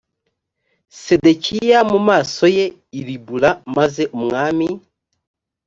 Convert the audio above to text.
sedekiya mu maso ye i ribula maze umwami